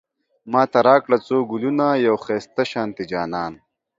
ماته راکړه څو ګلونه، يو ښايسته شانتی جانان